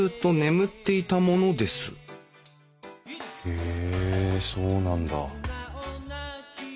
へえそうなんだ。